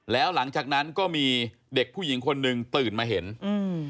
แล้วหลังจากนั้นก็มีเด็กผู้หญิงคนหนึ่งตื่นมาเห็นอืม